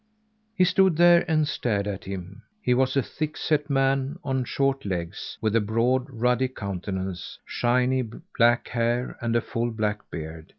He stood there and stared at him. He was a thick set man on short legs, with a broad, ruddy countenance, shiny, black hair and full black beard.